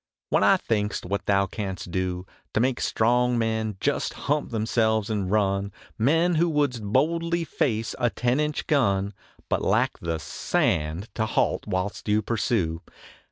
When I think st what thou canst do To make strong men just hump themselves and run, Men who wouldst boldly face a ten inch gun But lack the " sand " to halt whilst you pursue.